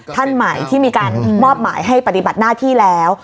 ท่านใหม่ที่มีการมอบหมายให้ปฏิบัติหน้าที่แล้ว